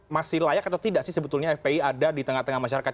masih layak atau tidak sih sebetulnya fpi ada di tengah tengah masyarakat